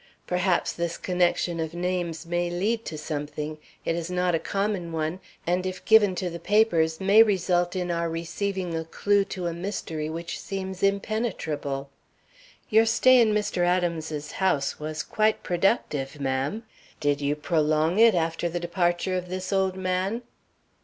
Perhaps this connection of names may lead to something. It is not a common one, and if given to the papers, may result in our receiving a clew to a mystery which seems impenetrable. Your stay in Mr. Adams's house was quite productive, ma'am. Did you prolong it after the departure of this old man?"